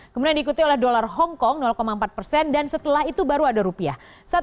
kemudian diikuti oleh dolar hongkong empat persen dan setelah itu baru ada rupiah